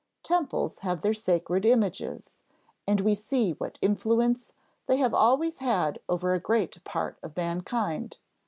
Temples have their sacred images, and we see what influence they have always had over a great part of mankind.